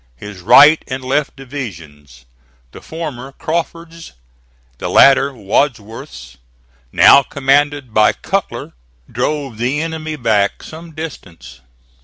His right and left divisions the former Crawford's, the latter Wadsworth's, now commanded by Cutler drove the enemy back some distance.